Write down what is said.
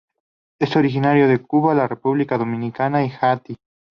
Es originaria de Cuba, la República Dominicana, y Haiti.